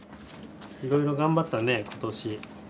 いろいろ頑張ったね今年。